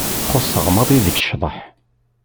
Xuṣṣeɣ maḍi deg ccḍeḥ.